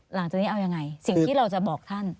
หลังจากนี้เอายังไงสิ่งที่เราจะบอกท่าน